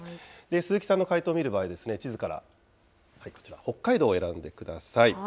鈴木さんの回答を見る場合、地図からこちら、北海道を選んでください。